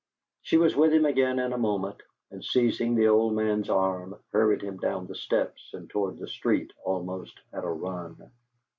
She was with him again in a moment, and seizing the old man's arm, hurried him down the steps and toward the street almost at a run.